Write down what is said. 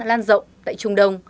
lan rộng tại trung đông